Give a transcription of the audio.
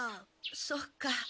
そっか。